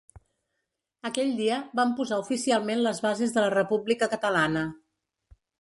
Aquell dia vam posar oficialment les bases de la república catalana.